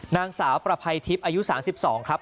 นางสาวประภัยทิพย์อายุ๓๒ครับ